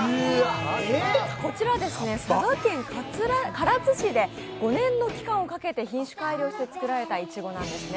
こちらは佐賀県唐津市で５年の期間をかけて品種改良して作られたいちごなんですね。